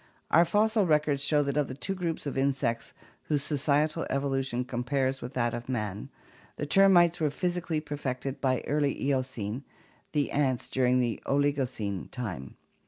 Our fossil records show that of the two groups of insects whose societal evolution compares with that of man, the termites were physically perfected by early Eocene, the ants during Oligocene time.